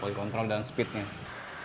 politik kontrol dan speednya